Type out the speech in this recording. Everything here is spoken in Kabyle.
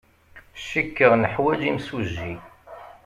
Cikkeɣ neḥwaj imsujji.